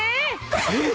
えっ！